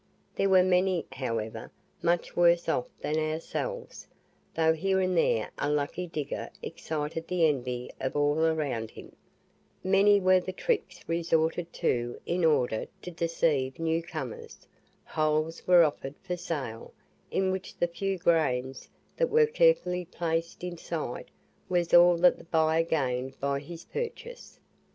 There were many, however, much worse off than ourselves, though here and there a lucky digger excited the envy of all around him. Many were the tricks resorted to in order to deceive new comers. Holes were offered for sale, in which the few grains that were carefully placed in sight was all that the buyer gained by his purchase.